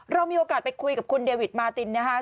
เรามีโอกาสไปคุยกับคุณเดวิดมาตินนะคะ